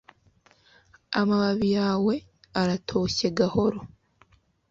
Amababi yawe aratoshye gahoro